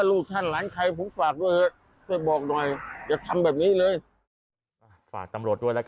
อืม